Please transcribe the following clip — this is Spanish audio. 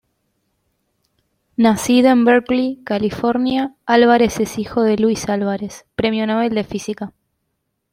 Nacido en Berkeley, California, Alvarez es hijo de Luis Alvarez, Premio Nobel de física.